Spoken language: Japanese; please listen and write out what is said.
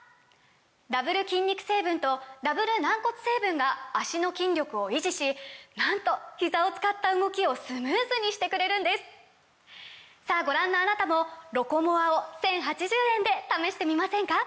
ダブル筋肉成分とダブル軟骨成分が脚の筋力を維持しなんとひざを使った動きをスムーズにしてくれるんですさぁご覧のあなたも「ロコモア」を１，０８０円で試してみませんか！